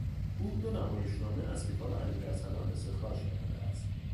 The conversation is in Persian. او دو نمایشنامه از کتاب امیر ارسلان استخراج کرده است.